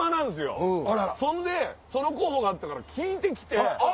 そんでその候補があったから聞いて来て。